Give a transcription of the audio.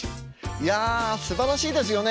いやすばらしいですよね。